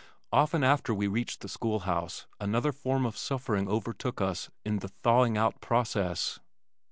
Often after we reached the school house another form of suffering overtook us in the "thawing out" process.